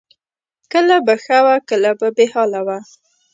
کله به ښه وه او کله به بې حاله وه